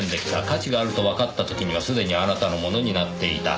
価値があるとわかった時にはすでにあなたのものになっていた。